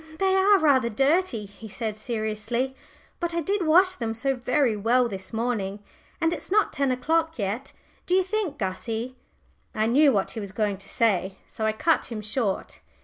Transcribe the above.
"They are rather dirty," he said seriously. "But I did wash them so very well this morning, and it's not ten o'clock yet. Do you think, Gussie ?" I knew what he was going to say, so I cut him short.